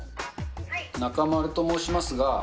中丸と申しますが。